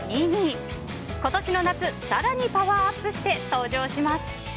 今年の夏、更にパワーアップして登場します。